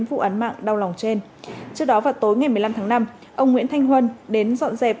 vụ án mạng đau lòng trên trước đó vào tối ngày một mươi năm tháng năm ông nguyễn thanh huân đến dọn dẹp